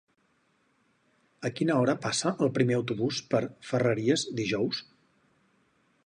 A quina hora passa el primer autobús per Ferreries dijous?